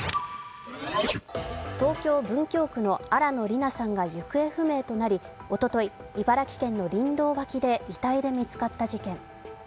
東京・文京区の新野りなさんが行方不明となりおととい、茨城県の林道脇で遺体で見つかった事件。